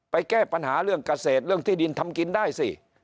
แก้ปัญหาเรื่องเกษตรเรื่องที่ดินทำกินได้สิ